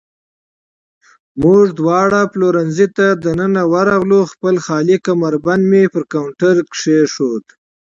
موږ دواړه پلورنځۍ ته دننه ورغلو، خپل خالي کمربند مې پر کاونټر کېښود.